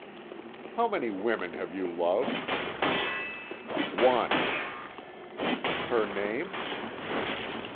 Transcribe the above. "How many women have you loved?" "One." "Her name?"